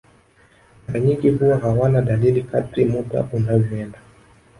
Mara nyingi huwa hawana dalili kadri muda unavyoenda